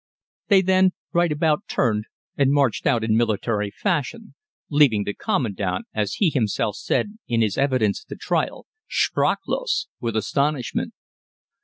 They then right about turned and marched out in military fashion, leaving the Commandant, as he himself said in his evidence at the trial, "sprachlos" with astonishment.